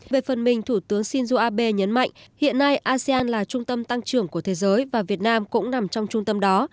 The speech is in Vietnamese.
về phần mình thủ tướng shinzo abe nhấn mạnh hiện nay asean là trung tâm tăng trưởng của thế giới và việt nam cũng nằm trong trung tâm đó